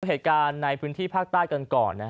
เหตุการณ์ในพื้นที่ภาคใต้กันก่อน